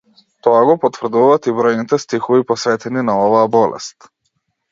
Тоа го потврдуваат и бројните стихови посветени на оваа болест.